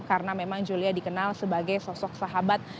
karena memang julia dikenal sebagai sosok sahabat